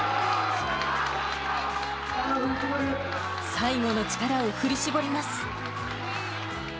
最後の力を振り絞ります。